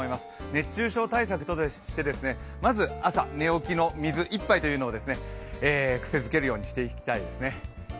熱中症対策をして、まず朝、寝起きの水１杯というのを癖づけるようにしていきたいですね。